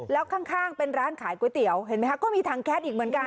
แล้วข้างเป็นร้านขายก๋วยเตี๋ยวเห็นไหมคะก็มีถังแก๊สอีกเหมือนกัน